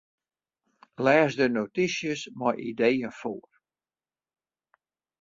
Lês de notysjes mei ideeën foar.